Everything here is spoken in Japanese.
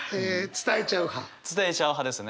伝えちゃう派ですね。